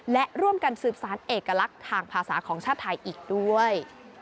และร่วมกันสืบสารเอกลักษณ์ทางภาษาของชาติไทยอีกด้วย